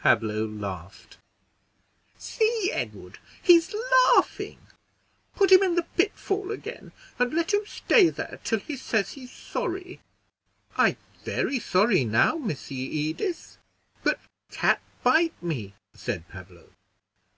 Pablo laughed. "See, Edward, he's laughing; put him in the pitfall again, and let him stay there till he says he's sorry." "I very sorry now, Missy Edith but cat bite me," said Pablo.